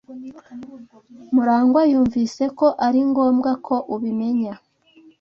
Murangwa yumvise ko ari ngombwa ko ubimenya.